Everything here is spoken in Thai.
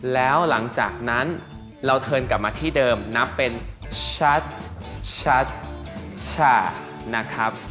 แล้วหลังจากนั้นเราเทินกลับมาที่เดิมนับเป็นชัดชะนะครับ